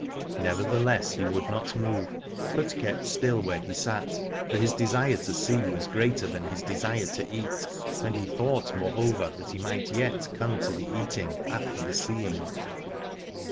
Nevertheless he would not move, but kept still where he sat, for his desire to see was greater than his desire to eat, and he thought moreover that he might yet come to the eating after the seeing.